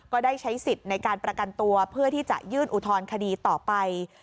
ก็ได้ใช้สิทธิ์ในการประกันตัวเพื่อที่จะยื่นอุทธรณคดีต่อไป